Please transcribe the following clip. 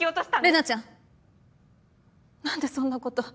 レナちゃん！何でそんなこと。